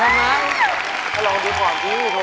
กลับไปเรียนออกดีโอ้โฮ